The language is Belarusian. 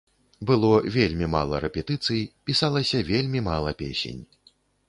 Было вельмі мала рэпетыцый, пісалася вельмі мала песень.